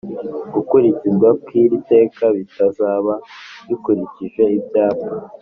gukurikizwa kw'iri teka bitazaba bikurikije ibyapa